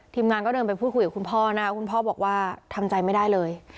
ทีมงานก็เดินไปพูดคุยกับคุณพ่อนะคะคุณพ่อบอกว่าทำใจไม่ได้เลย